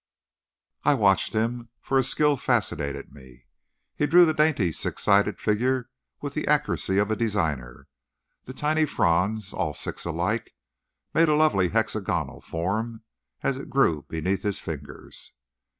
I watched him, for his skill fascinated me. He drew the dainty six sided figure with the accuracy of a designer. The tiny fronds, all six alike, made a lovely hexagonal form as it grew beneath his fingers.